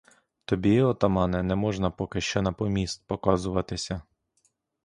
Тобі, отамане, не можна поки що на поміст показуватися.